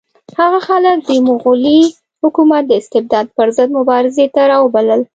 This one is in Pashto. هغه خلک د مغلي حکومت د استبداد پر ضد مبارزې ته راوبلل.